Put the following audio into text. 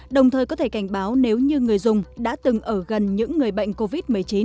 đồng thời có thể cảnh báo nếu như người dùng đã từng ở gần những người bệnh covid một mươi chín